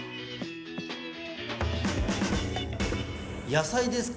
野菜ですか。